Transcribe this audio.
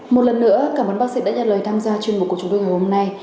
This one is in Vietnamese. một lần nữa cảm ơn bác sĩ đã nhận lời tham gia chuyên mục của chúng tôi ngày hôm nay